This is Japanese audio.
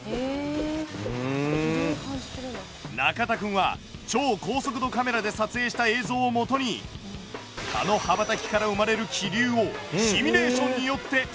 中田くんは超高速度カメラで撮影した映像をもとに蚊の羽ばたきから生まれる気流をシミュレーションによって再現。